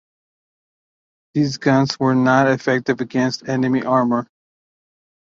These guns were not effective against enemy armor.